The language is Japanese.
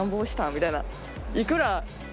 みたいな。